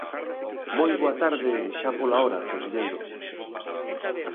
Moi boa tarde, xa pola hora, conselleiro.